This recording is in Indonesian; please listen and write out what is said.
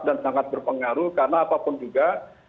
dan sangat berpengaruh karena apapun juga